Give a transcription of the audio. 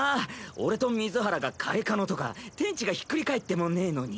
俺と水原がカレカノとか天地がひっくり返ってもねぇのに。